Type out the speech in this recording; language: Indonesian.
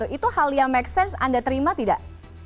itu hal yang make sense anda terima tidak